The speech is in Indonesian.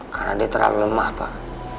karena dia terlalu lemah pak